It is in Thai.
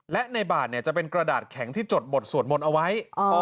และในบาทจะเป็นกระดาษแข็งที่จดบทสวดมนต์เอาไว้